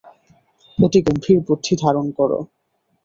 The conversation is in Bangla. অতি গম্ভীর বুদ্ধি ধারণ কর।